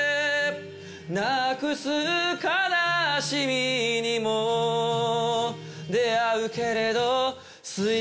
「失くす悲しみにも出会うけれど」